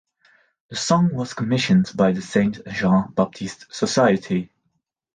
The song was commissioned by the Saint-Jean-Baptiste Society.